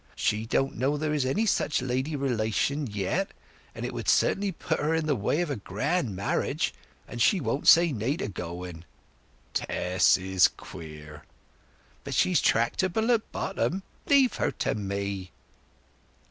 She don't know there is any such lady relation yet. But it would certainly put her in the way of a grand marriage, and she won't say nay to going." "Tess is queer." "But she's tractable at bottom. Leave her to me."